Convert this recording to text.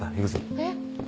えっ。